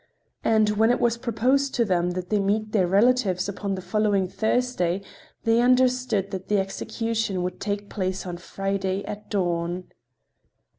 And when it was proposed to them that they meet their relatives upon the following Thursday they understood that the execution would take place on Friday at dawn.